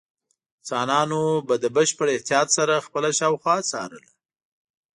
انسانانو به له بشپړ احتیاط سره خپله شاوخوا څارله.